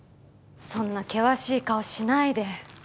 そんな険しい顔しないで。